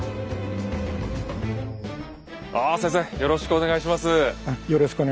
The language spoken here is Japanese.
あ先生よろしくお願いします。